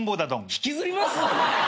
引きずり回すぞ。